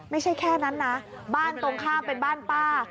ไม่ใช่แค่นั้นนะบ้านตรงข้ามเป็นบ้านป้า